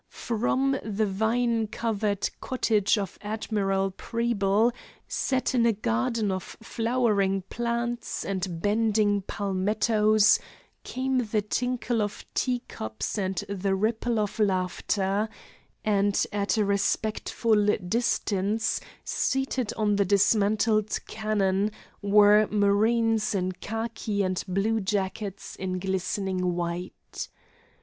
From the vine covered cottage of Admiral Preble, set in a garden of flowering plants and bending palmettos, came the tinkle of tea cups and the ripple of laughter, and at a respectful distance, seated on the dismantled cannon, were marines in khaki and bluejackets in glistening white.